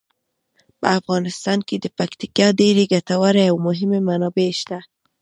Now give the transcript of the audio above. په افغانستان کې د پکتیکا ډیرې ګټورې او مهمې منابع شته.